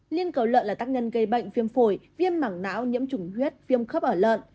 liên cầu lợn là tác nhân gây bệnh viêm phổi viêm mảng não nhiễm chủng huyết viêm khớp ở lợn